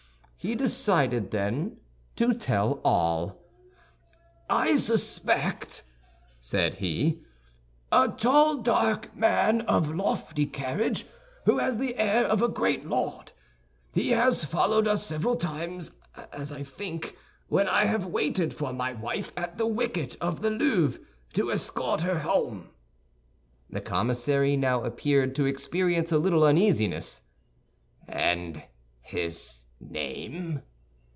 He decided, then, to tell all. "I suspect," said he, "a tall, dark man, of lofty carriage, who has the air of a great lord. He has followed us several times, as I think, when I have waited for my wife at the wicket of the Louvre to escort her home." The commissary now appeared to experience a little uneasiness. "And his name?"